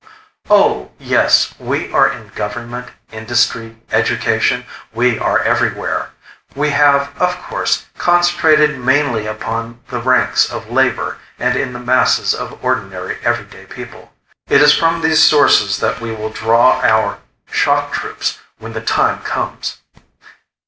"Oh, yes. We are in government, industry, education. We are everywhere. We have, of course, concentrated mainly upon the ranks of labor and in the masses of ordinary, everyday people. It is from these sources that we will draw our shock troops when the time comes."